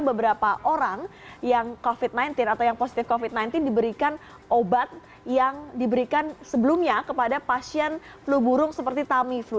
beberapa orang yang covid sembilan belas atau yang positif covid sembilan belas diberikan obat yang diberikan sebelumnya kepada pasien flu burung seperti tamiflu